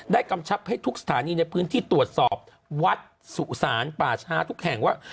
กำชับให้ทุกสถานีในพื้นที่ตรวจสอบวัดสุสานป่าช้าทุกแห่งว่า